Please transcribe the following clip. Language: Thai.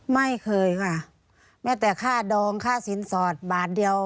ไม่เคยค่ะแม้แต่ค่าดองค่าสินสอดบาทเดียว